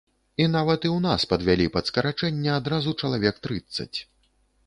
І нават і ў нас падвялі пад скарачэнне адразу чалавек трыццаць.